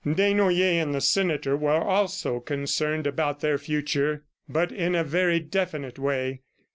Desnoyers and the senator were also concerned about their future, but in a very definite way.